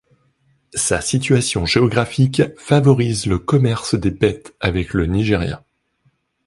Sa situation géographique favorise le commerce des bêtes avec le Nigeria.